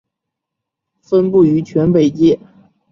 分布于全北界。